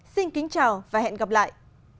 xin kính chào và hẹn gặp lại